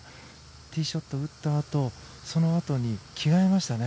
ティーショットを打ったあとそのあとに着替えましたね。